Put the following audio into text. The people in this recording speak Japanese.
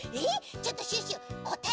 ちょっとシュッシュこたえ